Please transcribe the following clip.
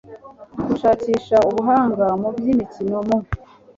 gushakisha ubuhanga mu by imikino mu